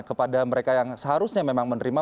kepada mereka yang seharusnya memang menerima